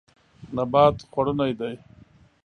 نبات خوړنی دی.